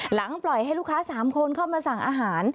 ปล่อยให้ลูกค้า๓คนเข้ามาสั่งอาหาร